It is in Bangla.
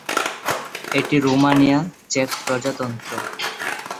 এটি রোমানিয়া, চেক প্রজাতন্ত্র।